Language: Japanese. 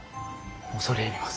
恐れ入ります。